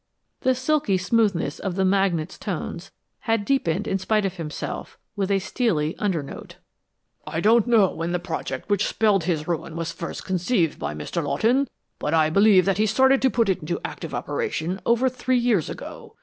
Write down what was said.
The silky smoothness of the magnate's tones had deepened in spite of himself, with a steely undernote. "I don't know when the project which spelled his ruin was first conceived by Mr. Lawton, but I believe that he started to put it into active operation over three years ago.